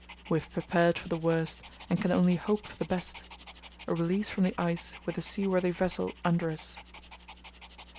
We have prepared for the worst and can only hope for the best—a release from the ice with a seaworthy vessel under us.